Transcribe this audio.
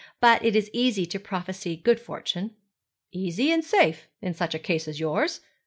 'But it is easy to prophesy good fortune.' 'Easy, and safe, in such a case as yours.